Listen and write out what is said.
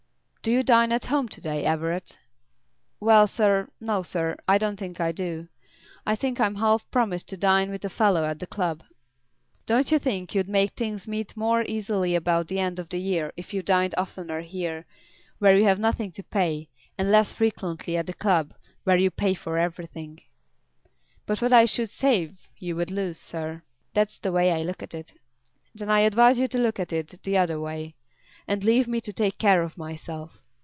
"Do you dine at home to day, Everett?" "Well, sir; no, sir. I don't think I do. I think I half promised to dine with a fellow at the club." "Don't you think you'd make things meet more easily about the end of the year if you dined oftener here, where you have nothing to pay, and less frequently at the club, where you pay for everything?" "But what I should save you would lose, sir. That's the way I look at it." "Then I advise you to look at it the other way, and leave me to take care of myself.